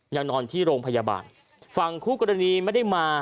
ยังนอนที่โรงพยาบาลฝั่งคู่กรณีไม่ได้มา